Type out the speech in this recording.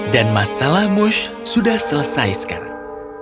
dan masalah mush sudah selesai sekarang